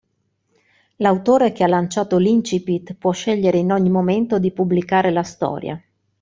L'autore che ha lanciato l'Incipit può scegliere in ogni momento di pubblicare la storia.